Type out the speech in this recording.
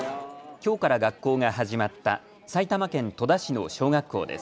きょうから学校が始まった埼玉県戸田市の小学校です。